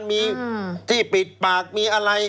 มีที่ปิดปากมีอะไร